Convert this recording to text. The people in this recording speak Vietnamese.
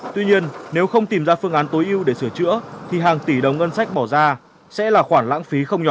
tuy nhiên nếu không tìm ra phương án tối ưu để sửa chữa thì hàng tỷ đồng ngân sách bỏ ra sẽ là khoản lãng phí không nhỏ